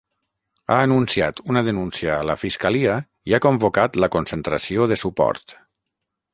Ha anunciat una denúncia a la fiscalia i ha convocat la concentració de suport.